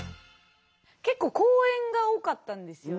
結構公園が多かったんですよ。